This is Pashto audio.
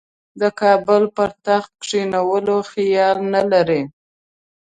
د کابل پر تخت کښېنولو خیال نه لري.